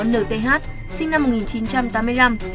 nhth sinh năm một nghìn chín trăm tám mươi năm